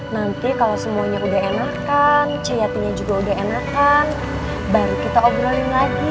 nanti kalau semuanya udah enakan ceyatinya juga udah enakan baru kita obrolin lagi